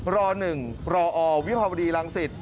ร๑รอวิภาวดีหลังศิษย์